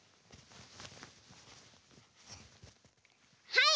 はい！